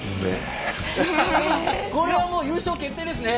これはもう優勝決定ですね。